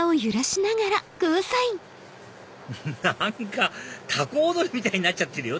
何かタコ踊りみたいになっちゃってるよ